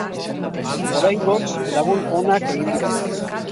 Oraingoz lagun onak egin dira.